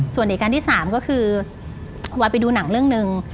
ส่วนเหตุการณ์ที่สามก็คือวายไปดูหนังเรื่องหนึ่ง